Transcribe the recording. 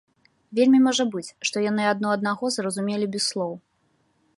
Вельмі можа быць, што яны адно аднаго зразумелі без слоў.